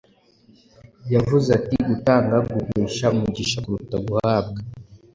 yavuze ati “Gutanga guhesha umugisha kuruta guhabwa.”